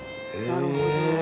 なるほど。